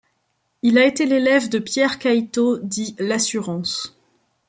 Il a été l'élève de Pierre Cailleteau dit Lassurance.